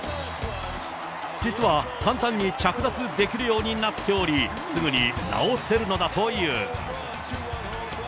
実は簡単に着脱できるようになっており、すぐに直せるのだという。